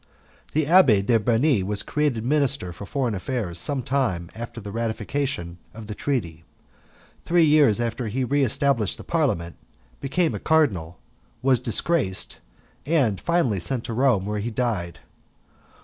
The Abbé de Bernis was created minister for foreign affairs some time after the ratification of the treaty; three years after he re established the parliament, became a cardinal, was disgraced, and finally sent to Rome, where he died.